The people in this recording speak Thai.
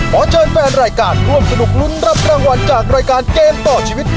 ขอเชิญแฟนรายการร่วมสนุกลุ้นรับรางวัลจากรายการเกมต่อชีวิต